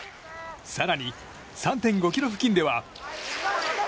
更に３．５ｋｍ付近では。